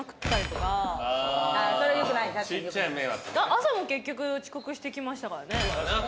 朝も結局遅刻してきましたからね。